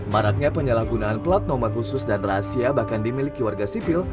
maraknya penyalahgunaan plat nomor khusus dan rahasia bahkan dimiliki warga sipil